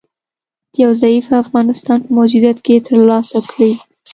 د یو ضعیفه افغانستان په موجودیت کې تر لاسه کړي